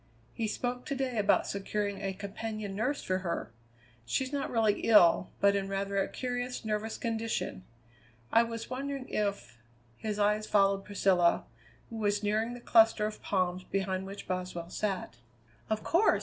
He spoke to day about securing a companion nurse for her. She's not really ill, but in rather a curious nervous condition. I was wondering if " His eyes followed Priscilla, who was nearing the cluster of palms behind which Boswell sat. "Of course!"